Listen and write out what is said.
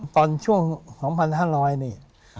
ตอนช่วง๒๕๐๐นี่